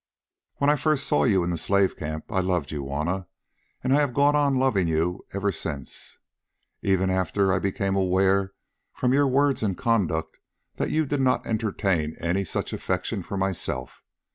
"When first I saw you in the slave camp I loved you, Juanna, and I have gone on loving you ever since, even after I became aware from your words and conduct that you did not entertain any such affection for myself.